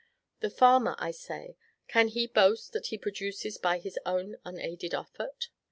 the farmer, I say, can he boast that he produces by his own unaided effort?